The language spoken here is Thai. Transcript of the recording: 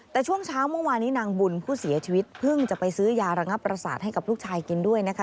แต่ช่วงเช้าเมื่อวานนี้นางบุญผู้เสียชีวิตเพิ่งจะไปซื้อยาระงับประสาทให้กับลูกชายกินด้วยนะคะ